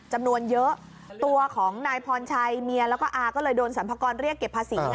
จำนวนเยอะตัวของนายพรชัยเมียแล้วก็อาก็เลยโดนสรรพากรเรียกเก็บภาษี